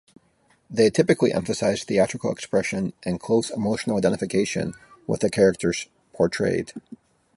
They typically emphasise theatrical expression and close emotional identification with the characters portrayed.